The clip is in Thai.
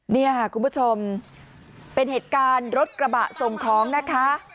นี่ค่ะคุณผู้ชมเป็นเหตุการณ์รถกระบะส่งของนะคะ